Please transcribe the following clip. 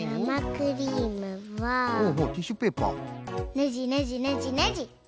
ねじねじねじねじ。